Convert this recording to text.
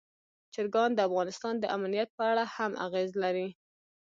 چرګان د افغانستان د امنیت په اړه هم اغېز لري.